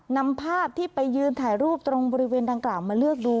นำภาพที่ไปยืนถ่ายรูปตรงบริเวณดังกล่าวมาเลือกดู